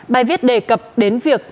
bài viết đề cập đến việc